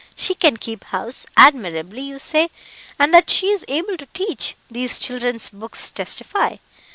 She can keep house, admirably, you say; and that she is able to teach, these children's books testify.